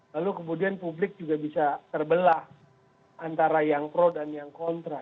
lalu kemudian publik juga bisa terbelah antara yang pro dan yang kontra